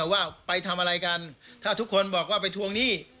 ว่าไปทำอะไรกันถ้าทุกคนบอกว่าไปทวงหนี้